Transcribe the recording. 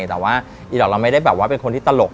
แต่ว่าอีดอลเราไม่ได้แบบว่าเป็นคนที่ตลก